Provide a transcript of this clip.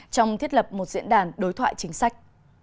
trong thiết lập một diễn đàn đối thoại chính sách